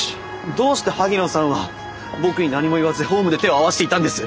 どうして萩野さんは僕に何も言わずホームで手を合わしていたんです？